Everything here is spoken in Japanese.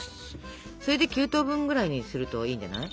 それで９等分ぐらいにするといいんじゃない？